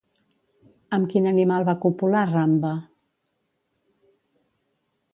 Amb quin animal va copular Rambha?